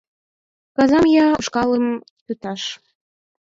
Казам я ушкалым кӱташ.